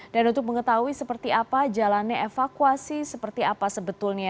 dan untuk mengetahui seperti apa jalannya evakuasi seperti apa sebetulnya